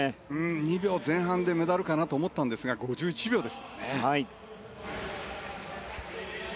５２秒前半でメダルかなと思ったんですが５１秒ですからね。